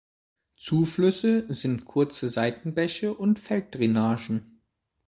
Zuflüsse sind kurze Seitenbäche und Feld-Drainagen.